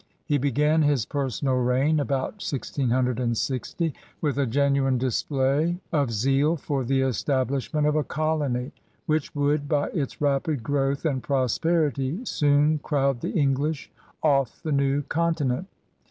He began his personal reign about 1660 with a genuine display of zeal for the establishment of a colony which would by its rapid growth and prosperity soon crowd the English off the new continent.